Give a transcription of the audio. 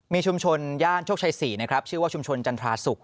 มีชุมชนย่านโชคชัย๔นะครับชื่อว่าชุมชนจันทราศุกร์